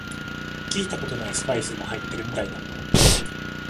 聞いたことないスパイスが入ってるみたいだ